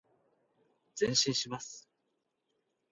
前進します。